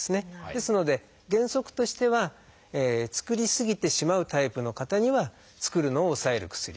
ですので原則としては作りすぎてしまうタイプの方には作るのを抑える薬。